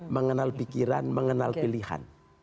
mengenal pikiran mengenal pilihan